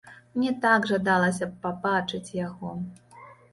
Мне так жадалася б пабачыць яго.